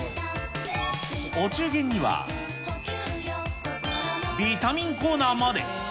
お中元には、ビタミンコーナーまで。